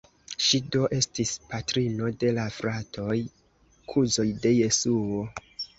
Ŝi do estis patrino de la fratoj-kuzoj de Jesuo.